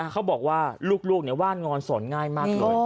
เขาบอกว่าลูกว่านงอนสอนง่ายมากเลย